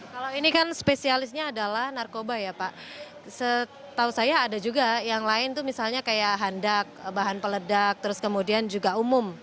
kalau ini kan spesialisnya adalah narkoba ya pak setahu saya ada juga yang lain tuh misalnya kayak handak bahan peledak terus kemudian juga umum